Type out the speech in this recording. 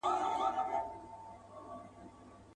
لاس دي مات د دې ملیار سي له باغوانه یمه ستړی.